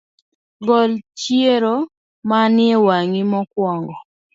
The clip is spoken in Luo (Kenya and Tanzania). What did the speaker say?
Gol chiero mani ewang’I mokuongo